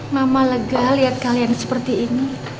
mama lega lihat kalian seperti ini